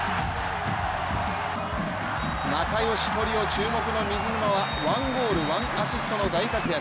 仲良しトリオ注目の水沼はワンゴールワンアシストの大活躍。